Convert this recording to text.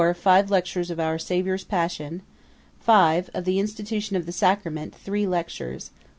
Five lectures of our Saviour's passion. 5. Of the institution of the sacrament, three lectures.